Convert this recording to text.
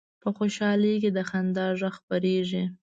په خوشحالۍ کې د خندا غږ خپرېږي